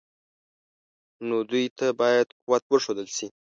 نو دوی ته باید قوت وښودل شي.